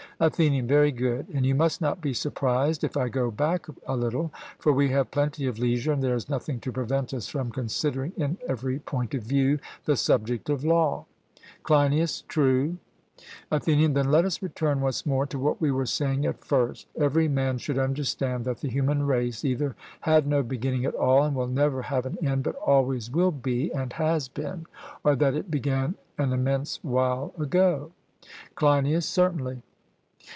ATHENIAN: Very good; and you must not be surprised if I go back a little, for we have plenty of leisure, and there is nothing to prevent us from considering in every point of view the subject of law. CLEINIAS: True. ATHENIAN: Then let us return once more to what we were saying at first. Every man should understand that the human race either had no beginning at all, and will never have an end, but always will be and has been; or that it began an immense while ago. CLEINIAS: Certainly.